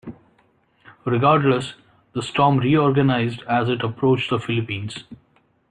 Regardless, the storm re-organized as it approached the Philippines.